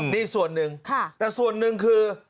นี่ส่วนหนึ่งแต่ส่วนหนึ่งคือ